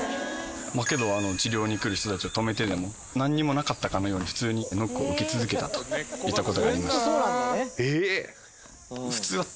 まあけど治療に来る人たちを止めてでもなんにもなかったかのように普通にノックを受け続けたといった事がありました。